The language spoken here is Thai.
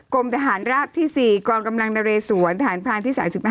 กรมทหารราบที่๔กองกำลังนเรสวนทหารพรานที่๓๕